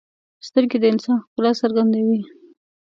سترګې د انسان ښکلا څرګندوي